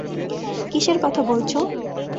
কিসের কথা বলছো?